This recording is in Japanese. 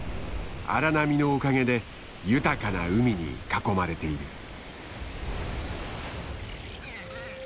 荒波のおかげで豊かな海に囲まれている。